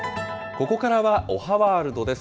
ここからはおはワールドです。